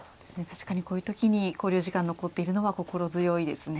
確かにこういう時に考慮時間残っているのは心強いですね。